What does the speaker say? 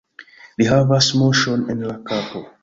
Li havas muŝon en la kapo.